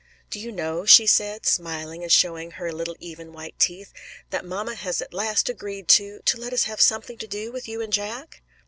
"Do you know," she said, smiling and showing her little even white teeth, "that mamma has at last agreed to to let us have something to do with you and Jack?"